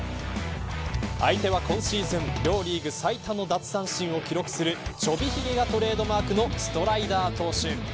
相手は今シーズン、両リーグ最多の奪三振を記録するちょびひげがトレードマークのストライダー投手。